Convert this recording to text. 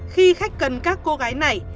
khi khách cần các cô gái này